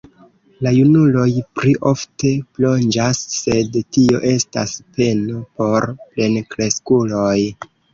La junuloj pli ofte plonĝas, sed tio estas peno por plenkreskuloj.